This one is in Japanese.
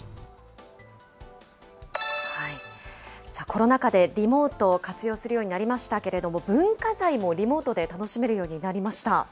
コロナ禍でリモートを活用するようになりましたけれども、文化財もリモートで楽しめるようになりました。